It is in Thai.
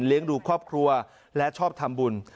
เลี้ยงดูครอบครัวและชอบทำบุญ